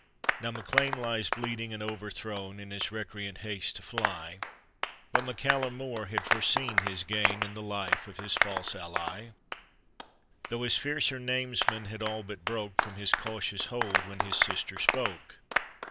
Now MacLean lies bleeding and overthrown In his recreant haste to fly; But MacCallum Mor had foreseen his gain In the life of his false ally, Though his fiercer namesmen had all but broke From his cautious hold, when his sister spoke.